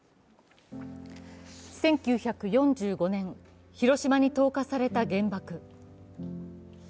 １９４５年、広島に投下された原爆。